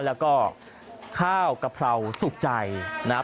แล้วก็ข้าวกะเพราสุกใจนะครับ